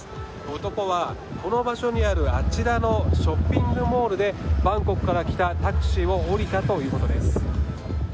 男は、この場所にあるあちらのショッピングモールでバンコクから来たタクシーを降りたということです。